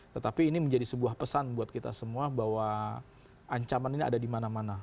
tetapi ini menjadi sebuah pesan buat kita semua bahwa ancaman ini ada di mana mana